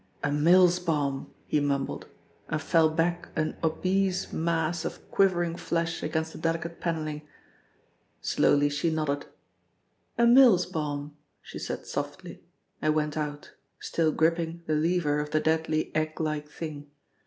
"A Mills bomb!" he mumbled, and fell back an obese mass of quivering flesh against the delicate panelling. Slowly she nodded. "A Mills bomb," she said softly, and went out, still gripping the lever of the deadly egg like thing.